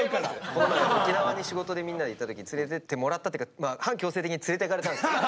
この前沖縄に仕事でみんなで行った時連れてってもらったっていうかまあ半強制的に連れて行かれたんですけど。